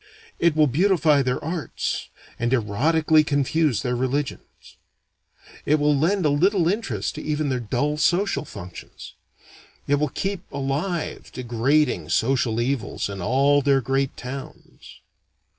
It will beautify their arts, and erotically confuse their religions. It will lend a little interest to even their dull social functions. It will keep alive degrading social evils in all their great towns.